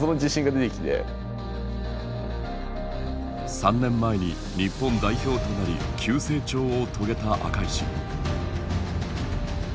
３年前に日本代表となり急成長を遂げた赤石。